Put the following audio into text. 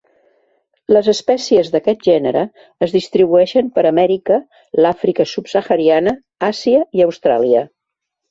Les espècies d'aquest gènere es distribueixen per Amèrica, l'Àfrica subsahariana, Àsia i Austràlia.